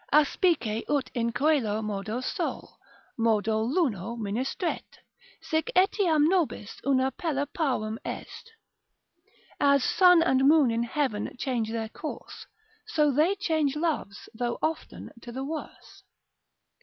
Aspice ut in coelo modo sol, modo luna ministret, Sic etiam nobis una pella parum est. As sun and moon in heaven change their course, So they change loves, though often to the worse.